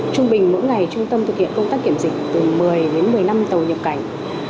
trung bình mỗi ngày trung tâm thực hiện công tác kiểm dịch từ một mươi đến một mươi năm tàu nhập cảnh